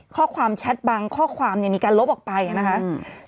แชทบางข้อความเนี่ยมีการลบออกไปนะคะอืม